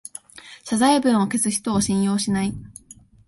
謝罪文を消す人を信用しない